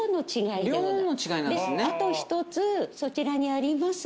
であと１つそちらにあります